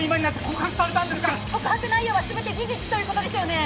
告白内容は全て事実という事ですよね？